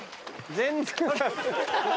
全然。